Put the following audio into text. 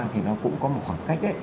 thì nó cũng có một khoảng cách